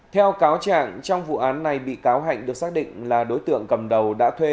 theo cáo trạng trong vụ án này bị cáo hạnh được xác định là đối tượng cầm đầu đã thuê